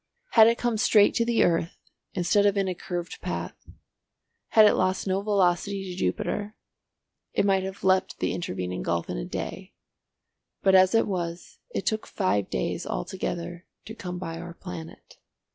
Had it come straight to the earth instead of in a curved path, had it lost no velocity to Jupiter, it must have leapt the intervening gulf in a day, but as it was it took five days altogether to come by our planet.